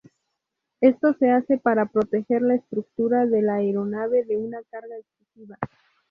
Esto se hace para proteger la estructura de la aeronave de una carga excesiva.